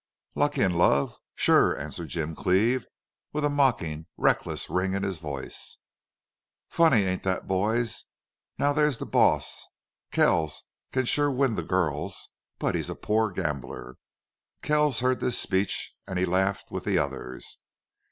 "Lucky in love?... Sure!" answered Jim Cleve, with a mocking, reckless ring in his voice. "Funny, ain't thet, boys? Now there's the boss. Kells can sure win the gurls, but he's a pore gambler." Kells heard this speech, and he laughed with the others.